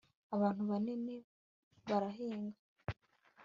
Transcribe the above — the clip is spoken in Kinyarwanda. abantu banini barahinga